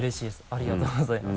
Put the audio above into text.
ありがとうございます。